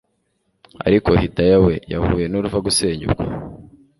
ariko Hidaya we yahuye nuruva gusenya ubwo